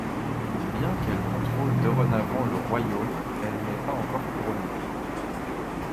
Bien qu'elle contrôle dorénavant le royaume, elle n'est pas encore couronnée.